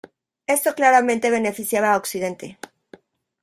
Esto claramente beneficiaba a occidente.